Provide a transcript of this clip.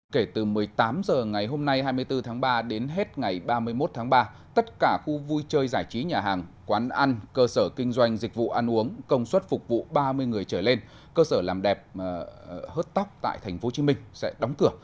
kể từ một mươi tám h ngày hôm nay hai mươi bốn tháng ba đến hết ngày ba mươi một tháng ba tất cả khu vui chơi giải trí nhà hàng quán ăn cơ sở kinh doanh dịch vụ ăn uống công suất phục vụ ba mươi người trở lên cơ sở làm đẹp hớt tóc tại tp hcm sẽ đóng cửa